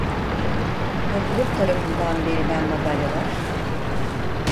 Topluluk tarafından verilen madalyalar: